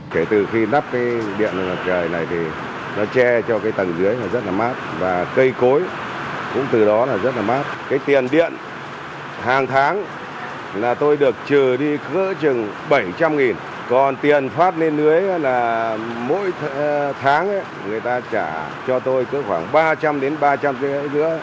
còn tiền phát lên lưới là mỗi tháng người ta trả cho tôi cứ khoảng ba trăm linh đến ba trăm linh triệu đồng nữa